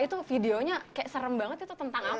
itu videonya kayak serem banget itu tentang apa